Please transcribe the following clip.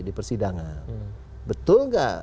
di persidangan betul nggak